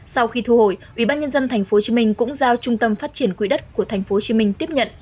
sau khi thu hồi ủy ban nhân dân tp hcm cũng giao trung tâm phát triển quỹ đất của tp hcm tiếp nhận